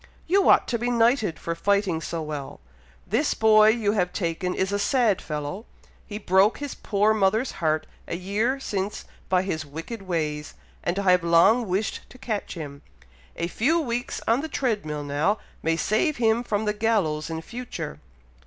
"You ought to be knighted for fighting so well! This boy you have taken is a sad fellow! He broke his poor mother's heart a year since by his wicked ways, and I have long wished to catch him. A few weeks on the tread mill now, may save him from the gallows in future."